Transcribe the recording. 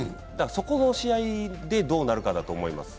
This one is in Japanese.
そこの試合でどうなるかだと思います。